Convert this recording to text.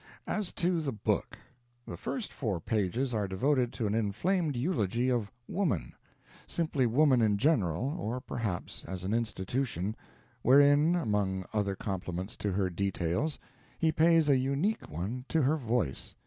As to the book. The first four pages are devoted to an inflamed eulogy of Woman simply Woman in general, or perhaps as an Institution wherein, among other compliments to her details, he pays a unique one to her voice.